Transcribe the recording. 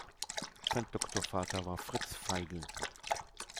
Sein Doktorvater war Fritz Feigl.